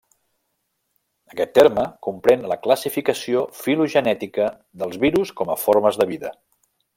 Aquest terme comprèn la classificació filogenètica dels virus com a formes de vida.